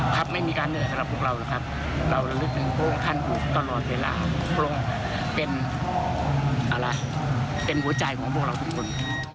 ไม่มีการเหนื่อยสำหรับพวกเรานะครับเราระลึกถึงพระองค์ท่านอยู่ตลอดเวลาเป็นอะไรเป็นหัวใจของพวกเราทุกคน